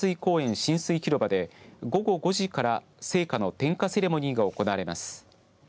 親水広場で午後５時から聖火の点火セレモニーが行われます。